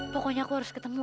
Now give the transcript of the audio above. pokoknya aku harus ketemu